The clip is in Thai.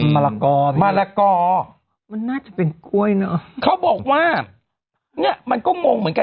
มะละกอมะละกอมันน่าจะเป็นกล้วยเนอะเขาบอกว่าเนี้ยมันก็งงเหมือนกัน